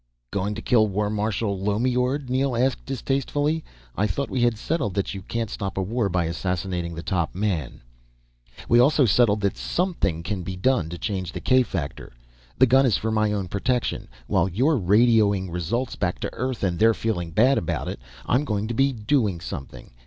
"Going to kill War Marshal Lommeord?" Neel asked distastefully. "I thought we had settled that you can't stop a war by assassinating the top man." "We also settled that something can be done to change the k factor. The gun is for my own protection. While you're radioing results back to Earth and they're feeling bad about it, I'm going to be doing something.